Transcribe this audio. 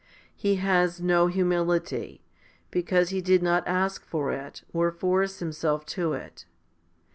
He has no humility, because he did not ask for it, or force himself to it.